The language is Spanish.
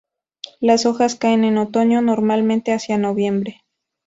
Las hojas caen en otoño, normalmente hacia noviembre.